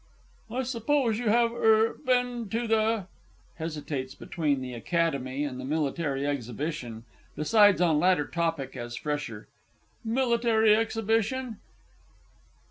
I suppose you have er been to the (hesitates between the Academy and the Military Exhibition decides on latter topic as fresher) Military Exhibition?